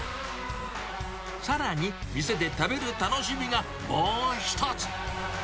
さらに、店で食べる楽しみがもう一つ。